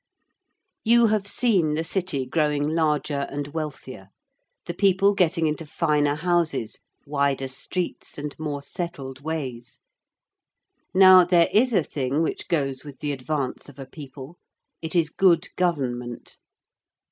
You have seen the city growing larger and wealthier: the people getting into finer houses, wider streets, and more settled ways. Now, there is a thing which goes with the advance of a people: it is good government.